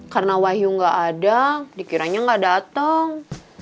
karena wahyu gak ada dikiranya gak dateng